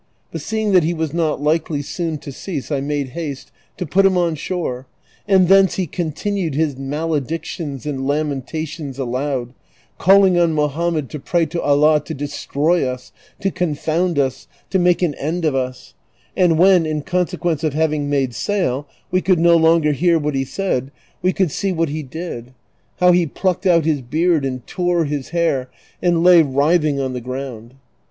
" But seeing that he was not likely soon to cease I made haste to put him on shore, and thence he continued his maledictions and lamentations aloud ; calling on Mohammed to pray to Allah to destroy us, to confound us, to make an end of us; and when, in consequence of having made sail, we could no longer hear what he said we could see what he did ; how he plucked out his be;a d and tore his hair anil lay writhing on the ground.